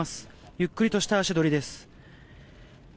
ゆっくりとした足取りです。